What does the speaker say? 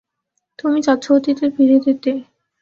তুমি চাচ্ছ অতীতে ফিরে যেতে।